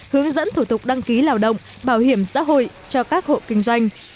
hướng dẫn thủ tục đăng ký lao động bảo hiểm xã hội cho các hộ kinh doanh